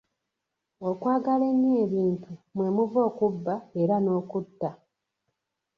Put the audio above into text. Okwagala ennyo ebintu mwe muva okubba era n'okutta.